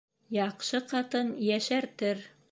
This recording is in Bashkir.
Яҡшы ҡатын йәшәртер